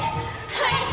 はい！